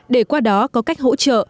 để qua đó có cách hỗ trợ